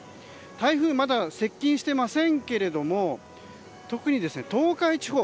台風、まだ接近してませんが特に東海地方